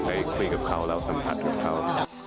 ไปคุยกับเขาแล้วสัมผัสกับเขา